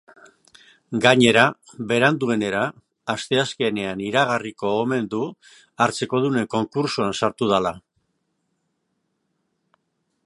Gainera, beranduenera, asteazkenean iragarriko omen du hartzekodunen konkurtsoan sartu dela.